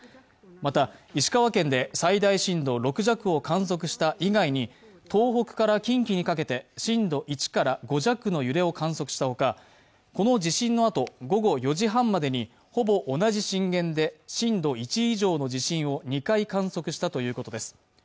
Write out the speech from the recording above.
また石川県で最大震度６弱を観測した以外に東北から近畿にかけて震度１から５弱の揺れを観測したほか、この地震のあと、午後４時半までにほぼ同じ震源で震度１以上の地震を地震を２回観測したということです